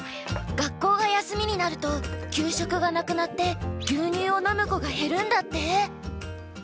学校が休みになると給食がなくなって牛乳を飲む子が減るんだって。